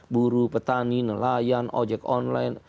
buruh petani nelayan ojek online